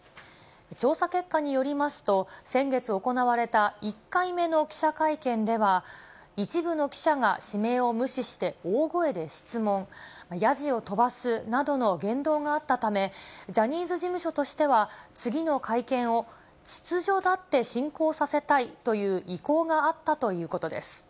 調査結果によりますと、先月行われた１回目の記者会見では、一部の記者が指名を無視して大声で質問、やじを飛ばすなどの言動があったため、ジャニーズ事務所としては、次の会見を秩序立って進行させたいという意向があったということです。